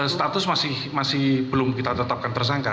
status masih belum kita tetapkan tersangka